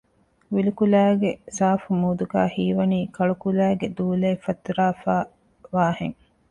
ވިލުކުލައިގެ ސާފު މޫދުގައި ހީވަނީ ކަޅުކުލައިގެ ދޫލައެއް ފަތުރައިފައިވާހެން